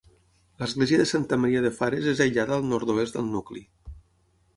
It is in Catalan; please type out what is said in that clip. L'església de Santa Maria de Fares és aïllada al nord-oest del nucli.